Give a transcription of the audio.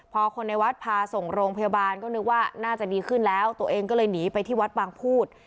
พอคนในวัดพาส่งโรงพยาบาลก็นึกว่าน่าจะดีขึ้นแล้วตัวเองก็เลยหนีไปที่วัดบางพูด